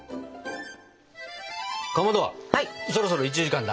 かまどそろそろ１時間だ。